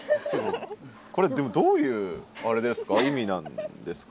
これでもどういうあれですか？